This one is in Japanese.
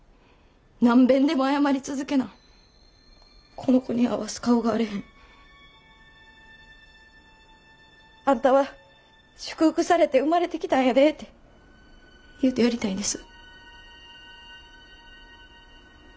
何べんでも謝り続けなこの子に合わす顔があれへん。あんたは祝福されて生まれてきたんやでて言うてやりたいんです。